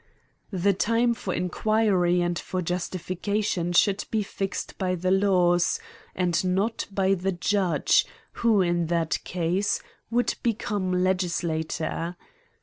The time for inquiry and for justification should be fixed by the laws, and not by the judge, who, in that case, would become legislator.